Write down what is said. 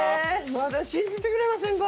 まだ信じてくれませんか？